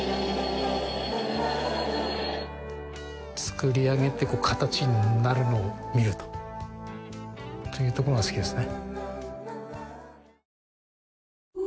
作り上げてこう形になるのを見るというところが好きですね。